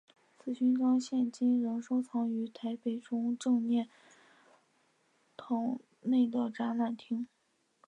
此勋章现今仍收藏于台北中正纪念堂内的展览厅。